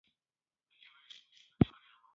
دوی غواړي په ټولنه کې بهتري راشي.